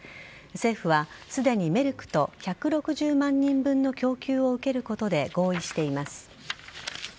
政府はすでにメルクと１６０万人分の供給を受けることで合意しています。